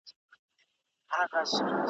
سړي وویل زما هغه ورځ یادیږي `